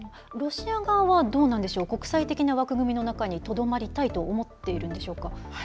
ロシア側はどうなんでしょう、国際的な枠組みの中にとどまりたいと思っているんでしょうか。